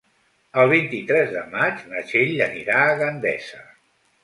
El vint-i-tres de maig na Txell anirà a Gandesa.